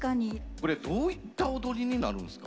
これどういった踊りになるんですか？